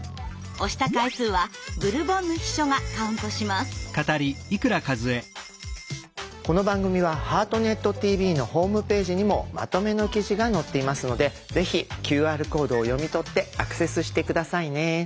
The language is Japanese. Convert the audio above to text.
スタジオの皆さんはこの番組は「ハートネットＴＶ」のホームページにもまとめの記事が載っていますのでぜひＱＲコードを読み取ってアクセスして下さいね。